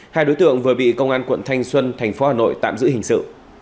hai đối tượng vừa bị công an quận thanh xuân thành phố hà nội tạm giữ hình sự